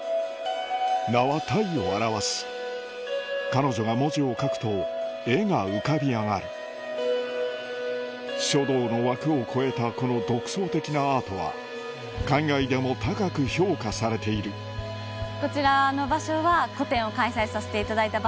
名は体を表す彼女が文字を書くと絵が浮かび上がる書道の枠を超えたこの独創的なアートは海外でも高く評価されているっていうふうに考えております。